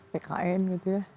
pkn gitu ya